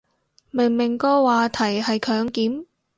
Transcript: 明明個話題係強檢